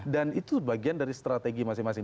dan itu bagian dari strategi masing masing